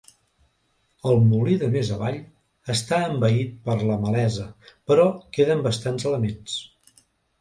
El Molí de Més Avall està envaït per la malesa, però queden bastants elements.